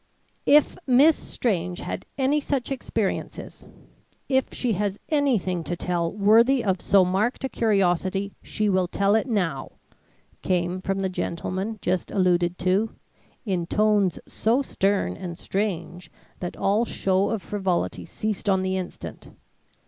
"If Miss Strange had any such experiences if she has anything to tell worthy of so marked a curiosity, she will tell it now," came from the gentleman just alluded to, in tones so stern and strange that all show of frivolity ceased on the instant.